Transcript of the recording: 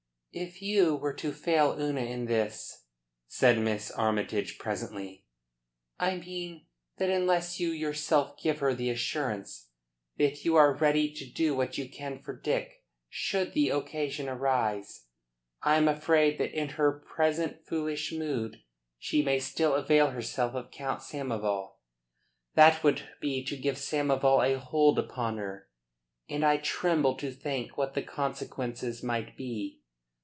"If you were to fail Una in this," said Miss Armytage presently, "I mean that unless you yourself give her the assurance that you are ready to do what you can for Dick, should the occasion arise, I am afraid that in her present foolish mood she may still avail herself of Count Samoval. That would be to give Samoval a hold upon her; and I tremble to think what the consequences might be.